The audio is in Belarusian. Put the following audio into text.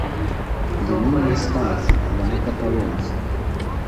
Яны не іспанцы, яны каталонцы.